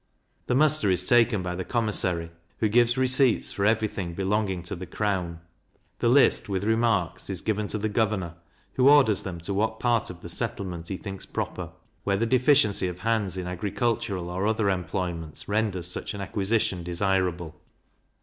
The muster is taken by the commissary, who gives receipts for every thing belonging to the crown; the list, with remarks, is given to the governor, who orders them to what part of the settlement he thinks proper, where the deficiency of hands in agricultural or other employments renders such an acquisition desirable.